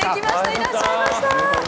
いらっしゃいました！